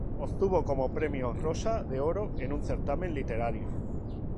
Obtuvo como premio rosa de oro en un certamen literario.